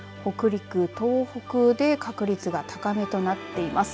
北陸、東北で確率が高めとなっています。